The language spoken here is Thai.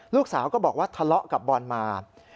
ลูกสาวก็บอกว่าทะเลาะกับบอลมา